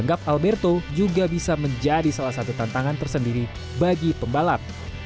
anggap alberto juga bisa menjadi salah satu tantangan tersendiri bagi pembalap